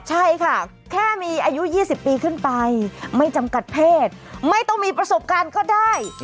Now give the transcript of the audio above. ใช่ค่ะแค่มีอายุ๒๐ปีขึ้นไปไม่จำกัดเพศไม่ต้องมีประสบการณ์ก็ได้